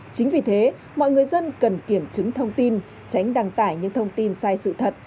chính vì thế mọi người dân cần kiểm chứng thông tin tránh đăng tải những thông tin sai sự thật